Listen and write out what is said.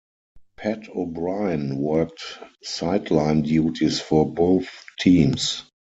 Pat O'Brien worked sideline duties for both teams.